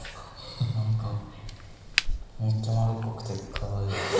何かめっちゃ丸っこくてかわいいです。